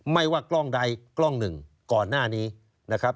ไม่ว่ากล้องใดกล้องหนึ่งก่อนหน้านี้นะครับ